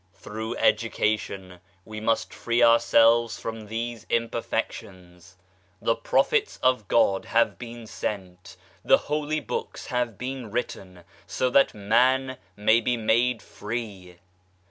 Through 166 THE PROGRESS OF THE SOUL education we must free ourselves from these imperfec tions. The Prophets of God have been sent, the Holy Books have been written, so that man may be made free.